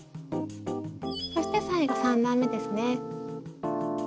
そして最後３段めですね。